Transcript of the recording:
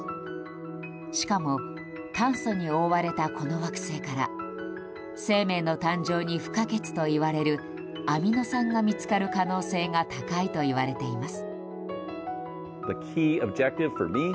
しかも、炭素に覆われたこの惑星から生命の誕生に不可欠といわれるアミノ酸が見つかる可能性が高いといわれています。